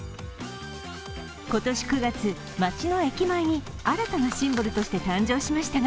今年９月、街の駅前に新たなシンボルとして誕生しましたが、